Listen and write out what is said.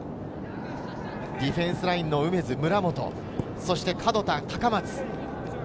ディフェンスラインの梅津、村本、そして門田、高松。